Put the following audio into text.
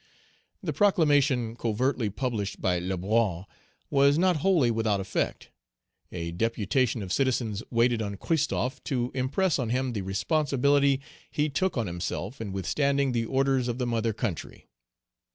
The proclamation covertly published by Lebrun, was not wholly without effect. A deputation of citizens waited on Christophe to impress Page 161 on him the responsibility he took on himself in withstanding the orders of the mother country.